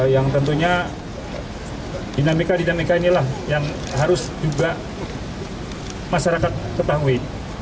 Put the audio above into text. yang tentunya dinamika dinamika inilah yang harus juga masyarakat ketahui